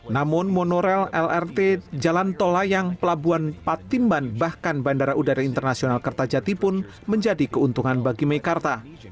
namun monorail lrt jalan tol layang pelabuhan patimban bahkan bandara udara internasional kertajati pun menjadi keuntungan bagi mekarta